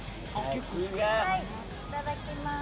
いただきます。